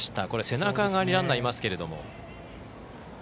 背中側にランナーいますけれども。